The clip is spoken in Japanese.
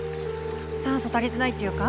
酸素足りてないっていうか。